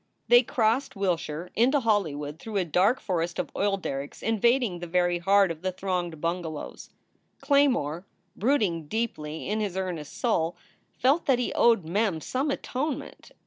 They crossed Wilshire into Hollywood through a dark forest of oil derricks invading the very heart of the thronged bungalows. Claymore, brooding deeply in his earnest soul, felt that he owed Mem some atonement.